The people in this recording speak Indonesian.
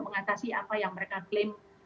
mengatasi apa yang mereka klaim